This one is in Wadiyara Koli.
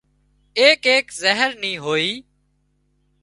ايڪ ايڪ زهر نِي هوئي